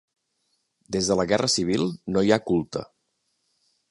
Des de la Guerra Civil no hi ha culte.